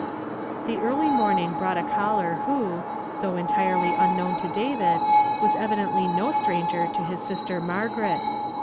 'Jlie early evening brought a caller who, though entirely unknown to David, was evidently no stranger to his sister Margaret.